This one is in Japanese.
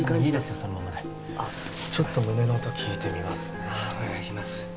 そのままでちょっと胸の音聞いてみますねお願いします